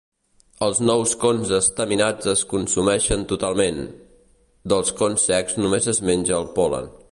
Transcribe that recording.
Els nous cons estaminats es consumeixen totalment; dels cons secs només es menja el pol·len.